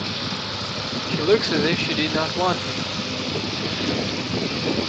She looks as if she did not want me.